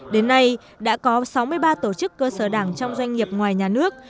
đến nay đã có sáu mươi ba tổ chức cơ sở đảng trong doanh nghiệp ngoài nhà nước